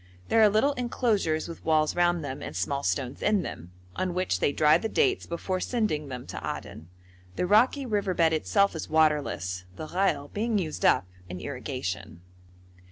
There are little enclosures with walls round them, and small stones in them, on which they dry the dates before sending them to Aden. The rocky river bed itself is waterless, the ghail being used up in irrigation.